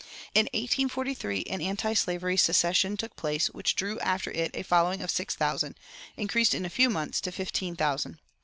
In 1843 an antislavery secession took place, which drew after it a following of six thousand, increased in a few months to fifteen thousand.